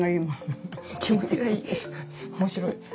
面白い。